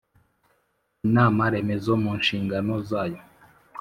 Inama remezo mu nshingano zayo